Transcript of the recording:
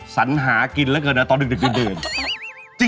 สัญหากินแล้วเกินแล้วตอนดึกเดื่อ